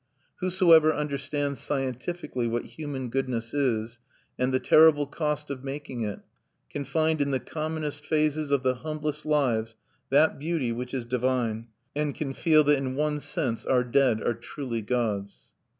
Whosoever understands scientifically what human goodness is, and the terrible cost of making it, can find in the commonest phases of the humblest lives that beauty, which is divine, and can feel that in one sense our dead are truly gods.